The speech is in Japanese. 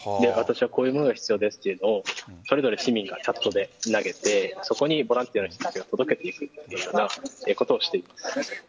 私はこういうものが必要ですというのをそれぞれ市民がチャットで投げてそこにボランティアの人たちが届けるというようなことをしています。